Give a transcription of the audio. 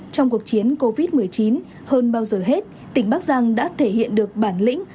trong cuộc chiến covid một mươi chín hơn bao giờ hết tỉnh bắc giang đã thể hiện được bản lĩnh